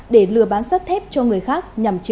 để lừa bán sắt thép cho người khác